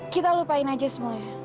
kita lupain aja semuanya